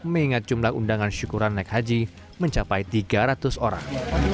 mengingat jumlah undangan syukuran naik haji mencapai tiga ratus orang